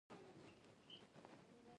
د کابل حافظه خپل پخوانی د نجات اتل نه یادوي.